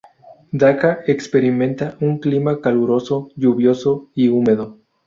Daca experimenta un clima caluroso, lluvioso y húmedo.